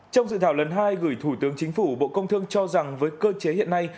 trong dự thảo lần hai gửi thủ tướng chính phủ bộ công thương cho rằng với cơ chế hiện nay